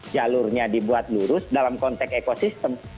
jalurnya dibuat lurus dalam konteks ekosistem